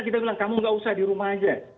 kita bilang kamu gak usah di rumah aja